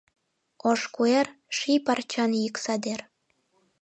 Ош куэр — ший парчан йӱк садер.